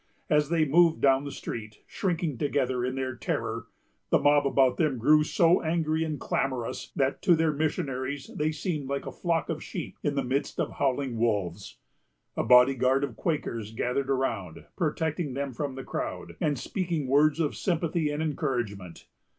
As they moved down the street, shrinking together in their terror, the mob about them grew so angry and clamorous, that to their missionaries they seemed like a flock of sheep in the midst of howling wolves. A body guard of Quakers gathered around, protecting them from the crowd, and speaking words of sympathy and encouragement.